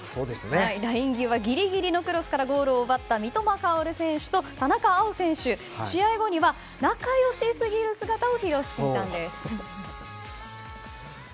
ライン際ギリギリのクロスからゴールを奪った三笘薫選手と田中碧選手試合後には仲良しすぎる姿を披露していたんです。